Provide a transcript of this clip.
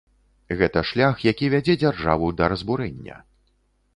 Гэта шлях, які вядзе дзяржаву да разбурэння.